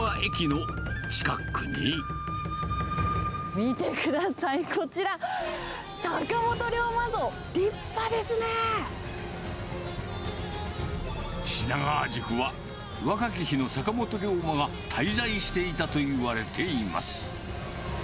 見てください、こちら、品川宿は、若き日の坂本龍馬が滞在していたといわれています。